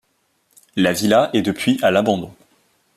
La villa est depuis à l’abandon.